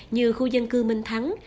như khu dân cư minh thắng